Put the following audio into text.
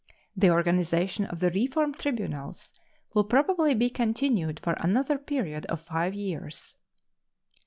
The organization of the reform tribunals will probably be continued for another period of five years.